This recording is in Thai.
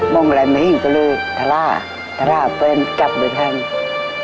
มองแหลมไม่หินก็เลยทาระทาระเป็นกับโดยแทน